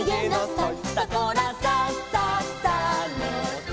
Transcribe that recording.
「すたこらさっさっさのさ」